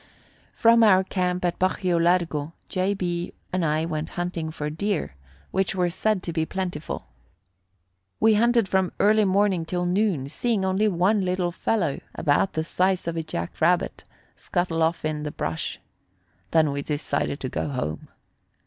From our camp at Bajio Largo, J. B. and I went hunting for deer, which were said to be plentiful. We hunted from early morning till noon, seeing only one little fellow, about the size of a jack rabbit, scuttle off in the brush. Then we decided to go home.